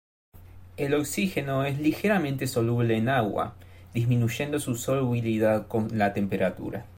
El oxígeno es ligeramente soluble en agua, disminuyendo su solubilidad con la temperatura.